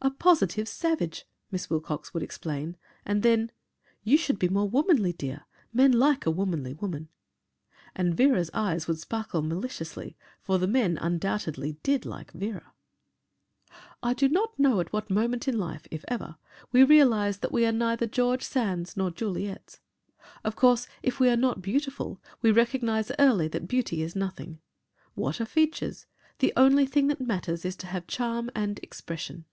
"A positive savage," Miss Wilcox would explain and then, "You should be more womanly, dear; men like a womanly woman." And Vera's eyes would sparkle maliciously, for men undoubtedly did like Vera. I do not know at what moment in life, if ever, we realise that we are neither George Sands nor Juliets. Of course, if we are not beautiful, we recognise early that beauty is nothing. What are features? The only thing that matters is to have charm and expression.